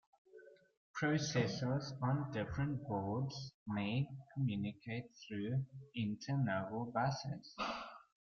Processors on different boards may communicate through inter-nodal buses.